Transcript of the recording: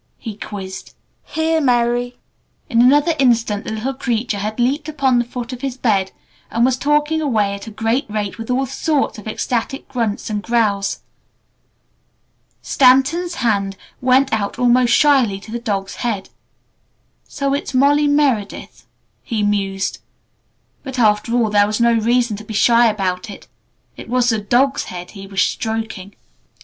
he quizzed. "Here, MERRY!" In another instant the little creature had leaped upon the foot of his bed, and was talking away at a great rate with all sorts of ecstatic grunts and growls. Stanton's hand went out almost shyly to the dog's head. "So it's 'Molly Meredith'," he mused. But after all there was no reason to be shy about it. It was the dog's head he was stroking.